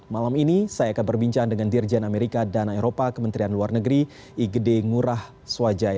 malam ini saya akan berbincang dengan dirjen amerika dana eropa kementerian luar negeri igd ngurah swajaya